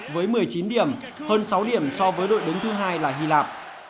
với một mươi chín điểm hơn sáu điểm so với đội đứng thứ hai là hy lạp